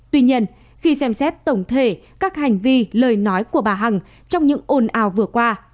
tuy nhiên khi xem xét tổng thể các hành vi lời nói của bà hằng trong những ồn ào vừa qua